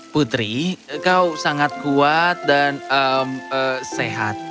putri kau sangat kuat dan sehat